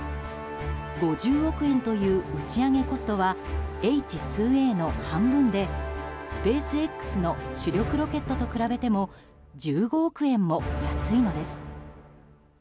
５０億円という打ち上げコストはＨ２Ａの半分でスペースＸの主力ロケットと比べても１５億円も安いのです。